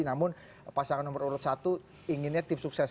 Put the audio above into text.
namun pasangan nomor urut satu inginnya tiga